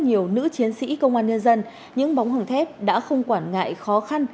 nhiều nữ chiến sĩ công an nhân dân những bóng hồng thép đã không quản ngại khó khăn